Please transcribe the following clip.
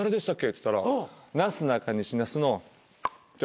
っつったら「なすなかにし那須の」って。